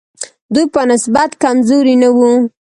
دوی په نسبت کمزوري نه وو.